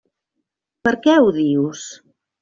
Per què ho dius?